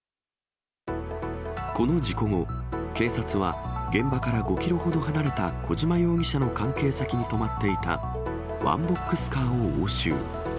この事故後、警察は現場から５キロほど離れた小島容疑者の関係先に止まっていたワンボックスカーを押収。